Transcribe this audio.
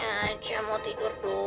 nanti aja mau tidur dulu